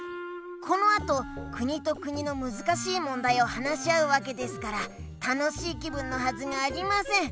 このあと国と国のむずかしいもんだいを話し合うわけですから楽しい気分のはずがありません。